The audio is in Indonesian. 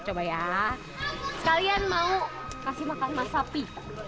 sekalian mau kasih makan masapi